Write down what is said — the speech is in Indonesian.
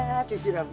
ya allah yang kuanggu